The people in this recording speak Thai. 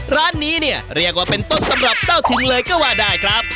ร้านนี้เนี่ยเรียกว่าเป็นต้นตำรับเต้าถึงเลยก็ว่าได้ครับ